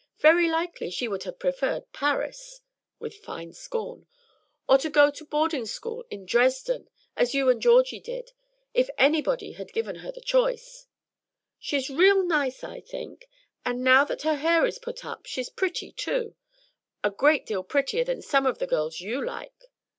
Very likely she would have preferred Paris," with fine scorn, "or to go to boarding school in Dresden, as you and Georgie did, if anybody had given her the choice. She's real nice, I think, and now that her hair is put up, she's pretty too, a great deal prettier than some of the girls you like.